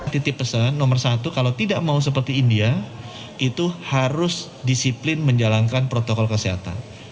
titip pesan nomor satu kalau tidak mau seperti india itu harus disiplin menjalankan protokol kesehatan